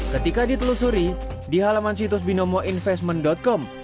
ketika ditelusuri di halaman situs binomoinvestment com